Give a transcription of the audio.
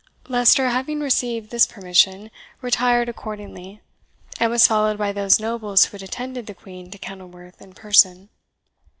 Leicester, having received this permission, retired accordingly, and was followed by those nobles who had attended the Queen to Kenilworth in person.